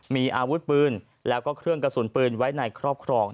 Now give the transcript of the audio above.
มีอาวุธปืนแล้วก็เครื่องกระสุนปืนไว้ในครอบครอง